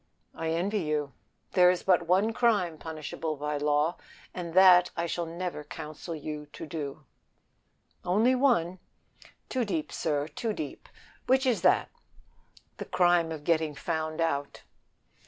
"I envy you. There is but one crime punishable by law, and that I shall never counsel you to." "Only one too deep, sir, too deep. Which is that?" "The crime of getting found out."